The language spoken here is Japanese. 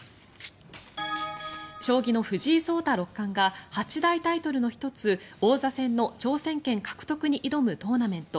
将棋の藤井聡太六冠が八大タイトルの１つ王座戦の挑戦権獲得に挑むトーナメント。